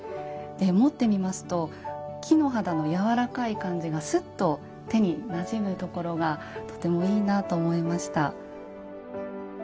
持ってみますと木の肌のやわらかい感じがすっと手になじむところがとてもいいなと思いました。